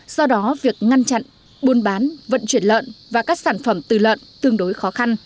do đó việc ngăn chặn buôn bán vận chuyển lợn và các sản phẩm từ lợn tương đối khó khăn